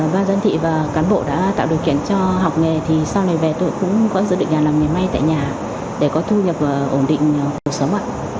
và dân thị và cán bộ đã tạo điều kiện cho học nghề thì sau này về tôi cũng có dự định làm nghề may tại nhà để có thu nhập ổn định cuộc sống